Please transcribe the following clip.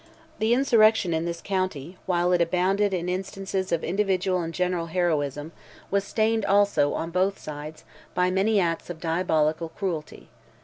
The insurrection in this county, while it abounded in instances of individual and general heroism, was stained also, on both sides, by many acts of diabolical cruelty.